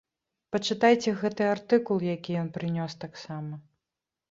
Пачытайце гэты артыкул, які ён прынёс таксама.